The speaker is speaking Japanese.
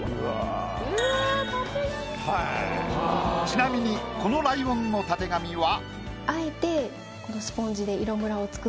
ちなみにこのライオンのたてがみは。